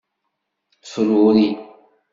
Fruri.